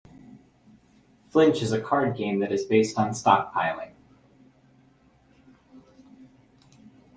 Flinch is a card game that is based on stockpiling.